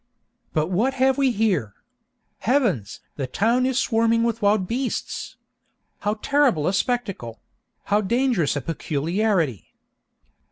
"But what have we here? Heavens! the town is swarming with wild beasts! How terrible a spectacle!—how dangerous a peculiarity!"